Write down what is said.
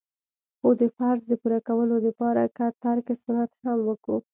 خو د فرض د پوره کولو د پاره که ترک سنت هم وکو.